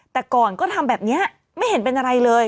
แต่ก่อนก็ทำแบบนี้ไม่เห็นเป็นอะไรเลย